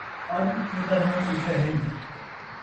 اڄ کیندا مونہہ ݙٹھا ہئی